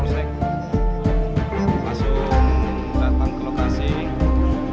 terdapat beberapa bagian